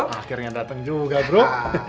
akhirnya dateng juga bro